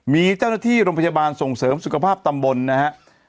มีเจ้าหน้าที่โรงพยาบาลส่งเสริมสุขภาพตำบลนะครับ